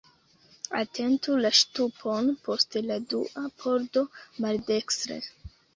Atentu la ŝtupon post la dua pordo maldekstre.